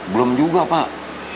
belum juga pak